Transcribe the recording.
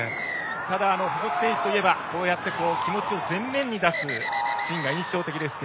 ただ、細木選手といえばこう気持ちを前面に出すシーンが印象的ですが。